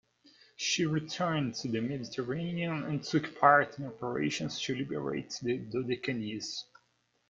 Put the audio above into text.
She returned to the Mediterranean and took part in operations to liberate the Dodecanese.